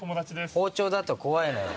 包丁だと怖いのよ。